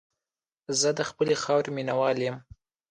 زه د خپلې خاورې مینه وال یم.